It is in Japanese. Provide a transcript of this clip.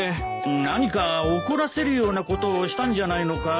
何か怒らせるようなことをしたんじゃないのかい？